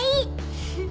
フフ。